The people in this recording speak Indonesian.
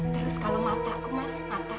terus kalau mataku mas